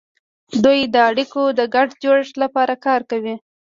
دوی د اړیکو د ګډ جوړښت لپاره کار کوي